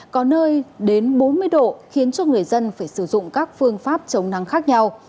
có nơi đến bốn mươi độ khiến cho người dân phải sử dụng các phương pháp chống nắng khác nhau